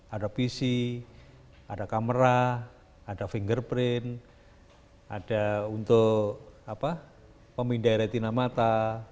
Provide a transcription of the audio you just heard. ada pc ada kamera ada fingerprint ada untuk pemindai retina mata